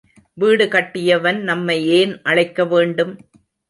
வீடு கட்டியவன் நம்மை ஏன் அழைக்க வேண்டும்?